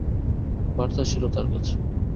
বার্তা ছিল তার কাছে।